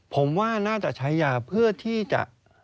ผมว่าน่าจะใช้ยาเพื่อที่จะ